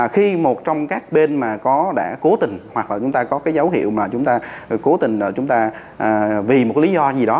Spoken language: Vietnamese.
khi một trong các bên mà có đã cố tình hoặc là chúng ta có cái dấu hiệu mà chúng ta cố tình chúng ta vì một lý do gì đó